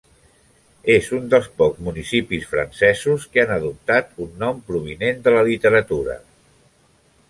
És un dels pocs municipis francesos que hagin adoptat un nom provinent de la literatura.